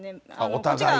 お互いが。